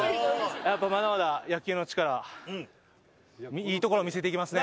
やっぱまだまだ野球の力いいところ見せていきますね。